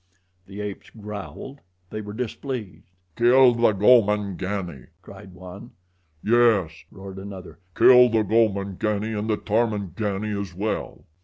The apes growled. They were displeased. "Kill the Gomangani!" cried one. "Yes," roared another, "kill the Gomangani and the Tarmangani as well."